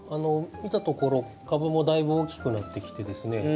見たところ株もだいぶ大きくなってきてですね